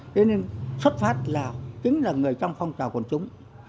thế nên xuất phát là chính là người trong phong trào quần chúng